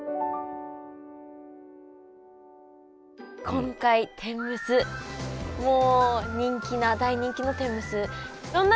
今回天むすもう人気な大人気の天むす。